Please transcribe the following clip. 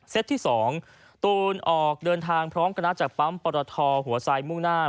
เซตที่สองตูนออกเดินทางพร้อมกันนะจากปั๊มปราทอหัวไส่มุ่งหน้า